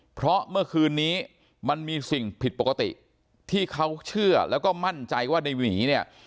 เพราะเมื่อคืนนี้มันมีสิ่งผิดปกติที่เขาเชื่อแล้วก็มั่นใจว่าในหวีเนี่ย